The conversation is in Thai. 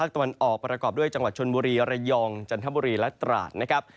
ตะวันออกประกอบด้วยจังหวัดชนบุรีระยองจันทบุรีและตราดนะครับ